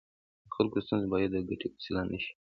د خلکو ستونزې باید د ګټې وسیله نه شي.